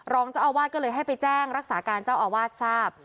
รองเจ้าอาวาสก็เลยให้ไปแจ้งรักษาการเจ้าอาวาสทราบ